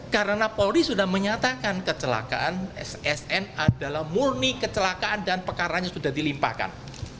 karena polri sudah menyatakan kecelakaan sn adalah murni kecelakaan dan pekaranya sudah dilimpahkan